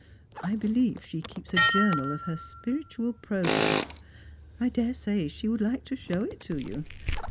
I believe she keeps a journal of her spiritual progress. I daresay she would like to show it to you.